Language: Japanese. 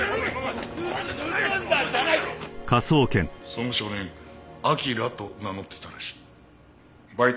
その少年アキラと名乗ってたらしい。